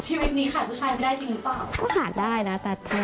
ชีวิตนี้ขาดผู้ชายไม่ได้จริงหรือเปล่า